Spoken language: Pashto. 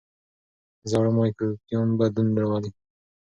زاړه مایکروبیوم بدلون راولي.